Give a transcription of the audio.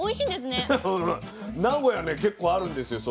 名古屋ね結構あるんですよ